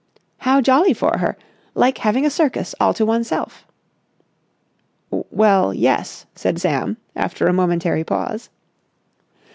'" "How jolly for her. Like having a circus all to oneself." "Well, yes," said Sam after a momentary pause.